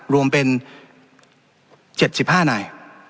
รวมเป็น๗๕นาย